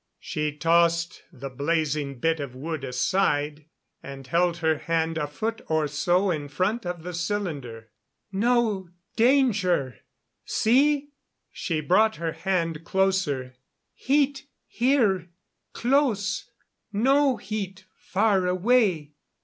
She tossed the blazing bit of wood aside, and held her hand a foot or so in front of the cylinder. "No danger! See?" She brought her hand closer. "Heat here close no heat far away."